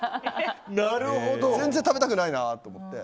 全然食べたくないなと思って。